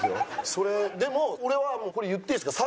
それでも俺はもうこれ言っていいですか？